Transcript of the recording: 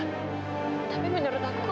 tapi menurut aku